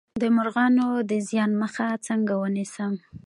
د مرغانو د زیان مخه څنګه ونیسم؟